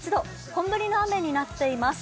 本降りの雨になっています。